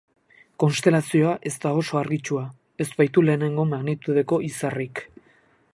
Konstelazioa ez da oso argitsua, ez baitu lehenengo magnitudeko izarrik.